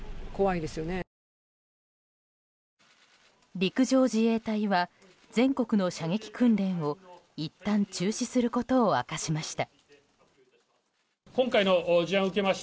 陸上自衛隊は全国の射撃訓練をいったん中止することを明かしました。